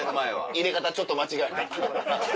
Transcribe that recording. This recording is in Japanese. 入れ方ちょっと間違えた。